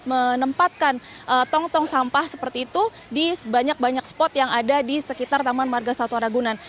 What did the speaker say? menempatkan tong tong sampah seperti itu di banyak banyak spot yang ada di sekitar taman marga satwa ragunan